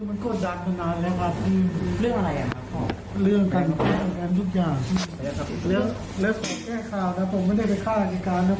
เอ้ยอะไรเอาเก้ามันอยู่ในกระเป๋าเบรดแกง